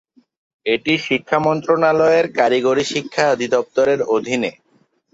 এটি শিক্ষা মন্ত্রণালয়ের কারিগরি শিক্ষা অধিদপ্তরের অধীনে।